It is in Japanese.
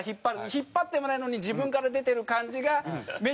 引っ張ってもないのに自分から出てる感じが目に余るのかなって。